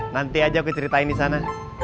nanti aja aku ceritain disana